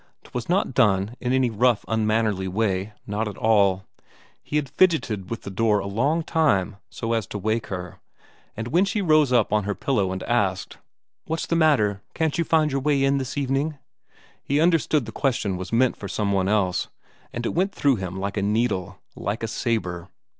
'Twas not done in any rough unmannerly way, not at all; he had fidgeted with the door a long time so as to wake her, and when she rose up on her elbow and asked, "What's the matter; can't you find your way in this evening?" he understood the question was meant for some one else, and it went through him like a needle; like a sabre.